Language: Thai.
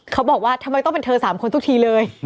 เขาบอกว่าทำไมต้องเป็นเธอ๓คนทุกทีเลย